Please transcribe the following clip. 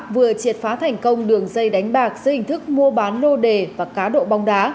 vừa triệt phá thành công đường dây đánh bạc dưới hình thức mua bán lô đề và cá độ bóng đá